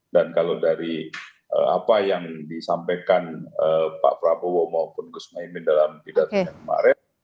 dan kalau dari apa yang disampaikan pak prabowo maupun gus mohaimin dalam pidatanya kemarin